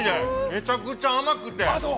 めちゃくちゃ甘くて。